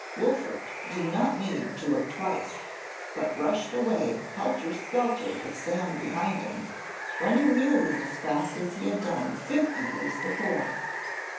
Wolfert did not need to look twice, but rushed away helter skelter with Sam behind him, running nearly as fast as he had done fifty years before.